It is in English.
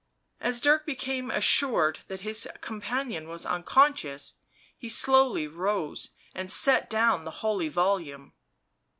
As Dirk became assured that his companion was unconscious, he slowly rose and set down the holy volume.